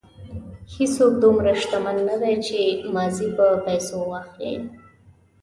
هېڅوک دومره شتمن نه دی چې ماضي په پیسو واخلي.